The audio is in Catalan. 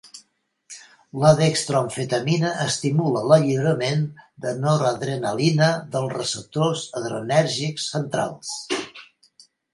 La dextroamfetamina estimula l'alliberament de noradrenalina dels receptors adrenèrgics centrals.